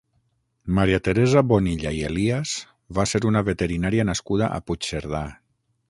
Maria Teresa Bonilla i Elias va ser una veterinària nascuda a Puigcerdà.